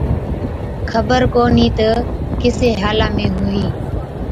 خبر ڪونهِي تہ ڪِسي حالا ۾ هُوَي؟